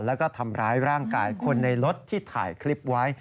แล้วก็ทำร้ายร่างกายคนในรถที่ถ่ายคลิปไว้